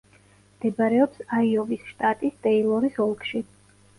მდებარეობს აიოვის შტატის ტეილორის ოლქში.